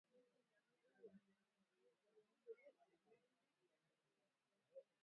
Jinsi ngamia anavyoambukizwa Homa ya bonde la ufa